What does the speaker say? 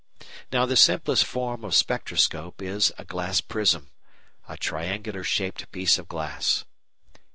Now the simplest form of spectroscope is a glass prism a triangular shaped piece of glass.